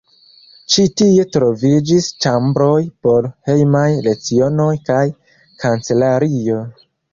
Ĉi tie troviĝis ĉambroj por hejmaj lecionoj kaj kancelario.